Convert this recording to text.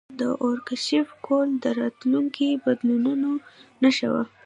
د اور کشف کول د راتلونکو بدلونونو نښه وه.